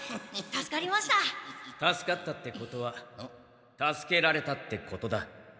助かったってことは助けられたってことだ。